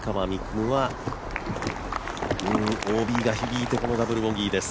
夢はＯＢが響いてこのダブルボギーです。